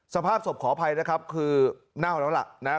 สภาพศพขออภัยนะครับคือเน่าแล้วล่ะนะ